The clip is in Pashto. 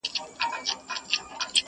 عِلم حاصلېږي مدرسو او مکتبونو کي,